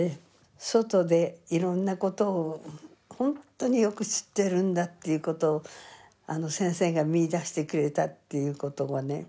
外でいろんなことをほんとによく知ってるんだっていうことをあの先生が見いだしてくれたっていうことがね